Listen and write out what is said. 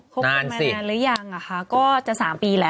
คบกันมานานหรือยังคะก็จะ๓ปีแล้ว